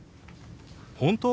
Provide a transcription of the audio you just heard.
本当？